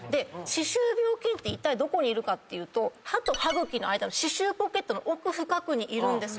歯周病菌ってどこにいるかっていうと歯と歯茎の間の歯周ポケットの奥深くにいるんです。